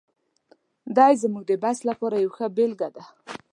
دی زموږ د بحث لپاره یوه ښه بېلګه ده.